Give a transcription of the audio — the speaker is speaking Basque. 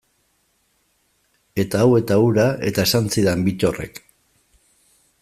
Eta hau eta hura, eta esan zidan Bittorrek.